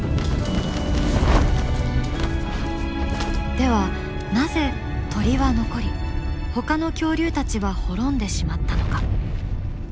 ではなぜ鳥は残りほかの恐竜たちは滅んでしまったのか？